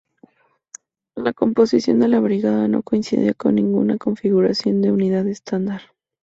La composición de la brigada no coincidía con ninguna configuración de unidad estándar.